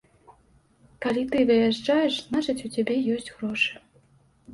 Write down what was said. Калі ты выязджаеш, значыць, у цябе ёсць грошы.